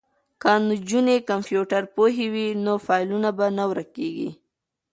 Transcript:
که نجونې کمپیوټر پوهې وي نو فایلونه به نه ورکیږي.